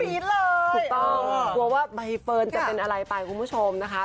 กลัวว่าไบฟิลจะเป็นอะไรป่ะคุณผู้ชมนะคะ